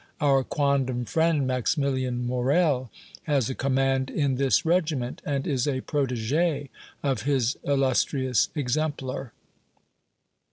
Our quondam friend, Maximilian Morrel, has a command in this regiment, and is a protégé of his illustrious exemplar."